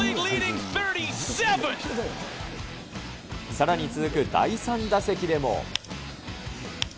さらに続く第３打席でも。